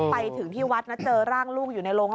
ไปถึงที่วัดนะเจอร่างลูกอยู่ในโรง